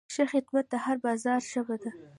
ښه خدمت د هر بازار ژبه ده.